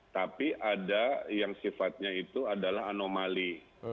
tapi ada yang sifatnya itu adalah anomali